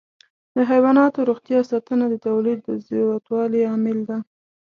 د حيواناتو روغتیا ساتنه د تولید د زیاتوالي عامل ده.